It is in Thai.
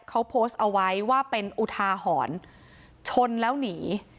เขาโพสต์เอาไว้ว่าเป็นอุทาหรณ์ชนแล้วหนี